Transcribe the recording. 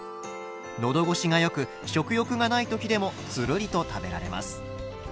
喉越しが良く食欲がない時でもつるりと食べられます。